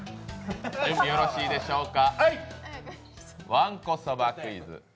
準備よろしいでしょうか。